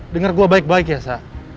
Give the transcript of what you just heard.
dengar gue baik baik ya sa